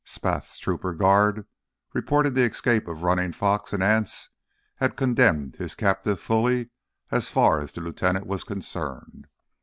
Spath's trooper guard, reporting the escape of Running Fox and Anse, had condemned his captive fully as far as the lieutenant was concerned.